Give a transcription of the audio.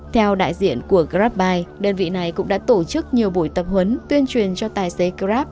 theo đại diện của grabbuy đơn vị này cũng đã tổ chức nhiều buổi tập huấn tuyên truyền cho tài xế grab